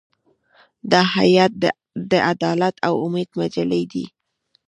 دا هیئت د عدالت او امید مجلې دی.